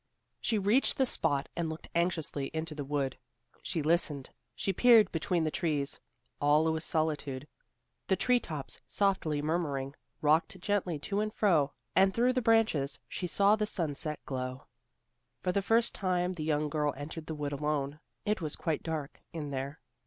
She reached the spot and looked anxiously into the wood. She listened; she peered between the trees; all was solitude. The tree tops, softly murmuring, rocked gently to and fro, and through the branches she saw the sunset glow. For the first time, the young girl entered the wood alone. It was quite dark, in there.